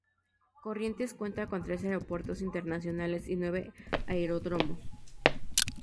Corrientes cuenta con tres aeropuertos internacionales y nueve aeródromos.